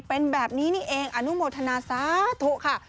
เป็นแบบนี้นี่เองอนุโมทนาสาธุค่ะ